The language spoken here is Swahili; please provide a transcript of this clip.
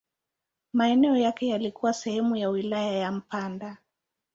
Maeneo yake yalikuwa sehemu ya wilaya ya Mpanda.